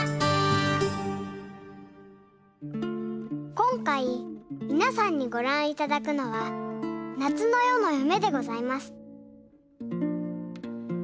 こんかいみなさんにごらんいただくのは「夏の夜の夢」でございます。